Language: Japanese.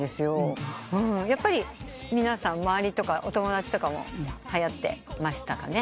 やっぱり皆さん周りとかお友達とかもはやってました？